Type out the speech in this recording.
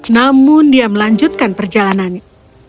namun dia melanjutkan perjalanannya